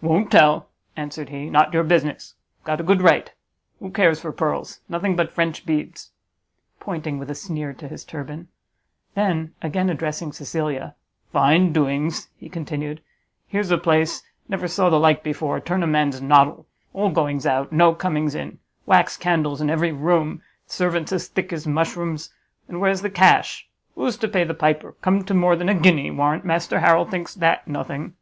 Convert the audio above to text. "Won't tell!" answered he; "not your business. Got a good right. Who cares for pearls? Nothing but French beads." Pointing with a sneer to his turban. Then, again addressing Cecilia, "Fine doings!" he continued, "Here's a place! never saw the like before! turn a man's noddle! All goings out; no comings in; wax candles in every room; servants thick as mushrooms! And where's the cash? Who's to pay the piper? Come to more than a guinea; warrant Master Harrel thinks that nothing!"